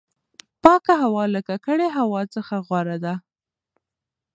پاکه هوا له ککړې هوا څخه غوره ده.